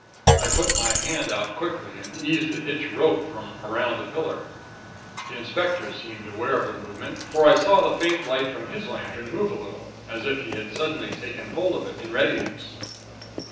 I put my hand out quickly, and eased the hitched rope from around the pillar. The inspector seemed aware of the movement; for I saw the faint light from his lantern, move a little, as if he had suddenly taken hold of it, in readiness.